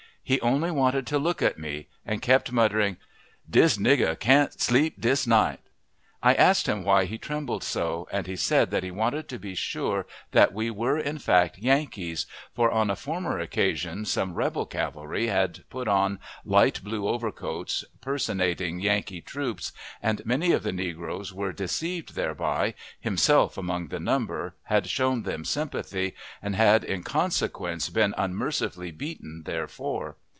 He only wanted to look at me, and kept muttering, "Dis nigger can't sleep dis night." I asked him why he trembled so, and he said that he wanted to be sure that we were in fact "Yankees," for on a former occasion some rebel cavalry had put on light blue overcoats, personating Yankee troops, and many of the negroes were deceived thereby, himself among the number had shown them sympathy, and had in consequence been unmercifully beaten therefor.